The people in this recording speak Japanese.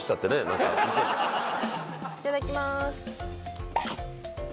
いただきます。